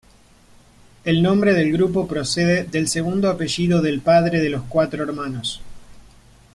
El nombre del grupo procede del segundo apellido del padre de los cuatro hermanos.